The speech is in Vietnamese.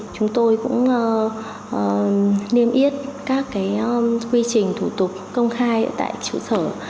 chúng tôi cũng niêm yết các quy trình thủ tục công khai tại trụ sở